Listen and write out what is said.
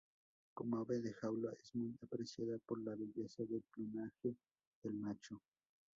Como ave de jaula es muy apreciada por la belleza del plumaje del macho.